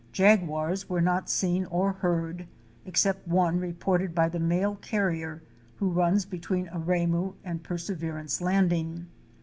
Jaguars were not seen or heard, except one reported by the mail carrier who runs between Aremu and Perseverance Landing.